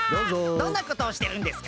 どんなことをしてるんですか？